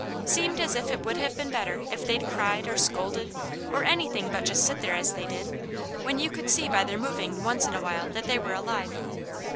Seemed as if it would have been better if they'd cried, or scolded, or anything but just sit there as they did, when you could see by their moving once in a while that they were alive.